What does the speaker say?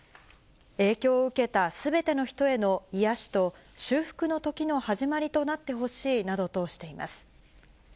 影響を受けたすべての人への癒やしと修復の時の始まりとなってほしいなどとしています。